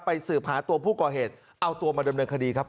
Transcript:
สืบหาตัวผู้ก่อเหตุเอาตัวมาดำเนินคดีครับ